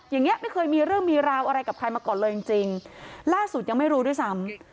อย่างนี้ไม่เคยมีเรื่องมีราวอะไรกับใครมาก่อนเลยจริงจริงล่าสุดยังไม่รู้ด้วยซ้ำ